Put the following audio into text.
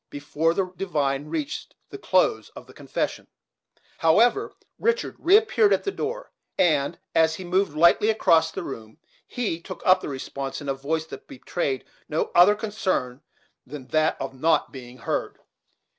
Before the divine reached the close of the confession, however, Richard reappeared at the door, and, as he moved lightly across the room, he took up the response, in a voice that betrayed no other concern than that of not being heard.